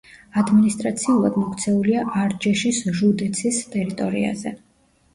ადმინისტრაციულად მოქცეულია არჯეშის ჟუდეცის ტერიტორიაზე.